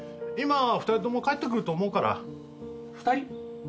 今２人とも帰ってくると思うから。